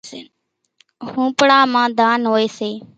ۿونپڙا مان ڌان ھوئي سي،